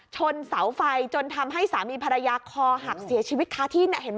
ชนเสาไฟจนทำให้สามีภรรยาคอหักเสียชีวิตคาที่เห็นไหม